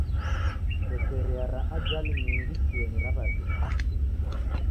Shekeria ra ajali nyingi chienyi raw'iazighanwa.